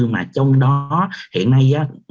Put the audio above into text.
mà trong đó hiện nay